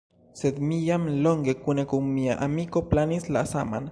Sed mi jam longe kune kun mia amiko planis la saman.